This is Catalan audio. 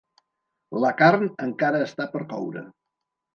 La carn encara està per coure.